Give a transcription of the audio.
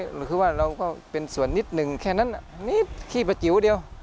หรือว่าเราก็เป็นส่วนนิดหนึ่งแค่นั้นนิดขี้ประจิ๋วเดียว